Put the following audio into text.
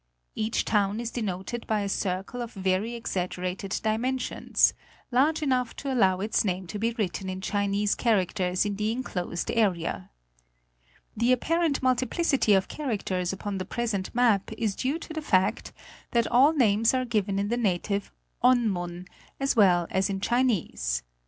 Each town is denoted by a circle of very ex aggerated dimensions, large enough to allow its name to be writ ten in Chinese characters in the enclosed area. The apparent multiplicity of characters upon the present map is due to the fact that all names are given in the native On mun, as well as in the Chinese.